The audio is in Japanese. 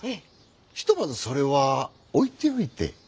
ひとまずそれは置いておいて。